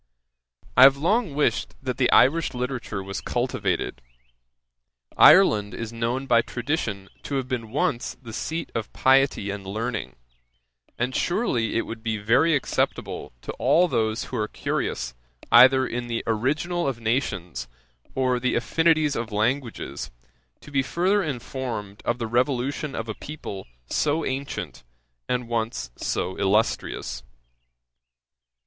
'I have long wished that the Irish literature were cultivated. Ireland is known by tradition to have been once the seat of piety and learning; and surely it would be very acceptable to all those who are curious either in the original of nations, or the affinities of languages, to be further informed of the revolution of a people so ancient, and once so illustrious.